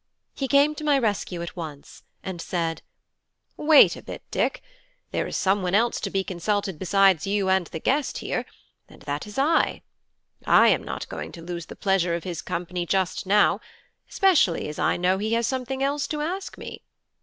He came to my rescue at once, and said "Wait a bit, Dick; there is someone else to be consulted besides you and the guest here, and that is I. I am not going to lose the pleasure of his company just now, especially as I know he has something else to ask me.